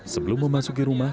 sebelum memasuki rumah